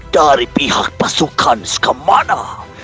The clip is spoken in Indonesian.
dari pihak pasukan suka mana